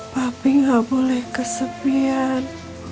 papi nggak boleh kesepian